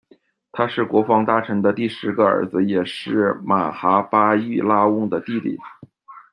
他是国防大臣的第十个儿子，也是玛哈·巴育拉翁的弟弟。